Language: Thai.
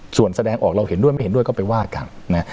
ส่วนแสดงออกเราเห็นด้วยไม่เห็นด้วยก็ไปว่ากันนะ